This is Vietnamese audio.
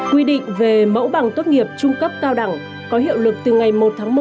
quy định về mẫu bằng tốt nghiệp trung cấp cao đẳng có hiệu lực từ ngày một tháng một